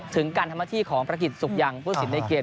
ถึงการทำหน้าที่ของประกิจสุขยังผู้สินในเกม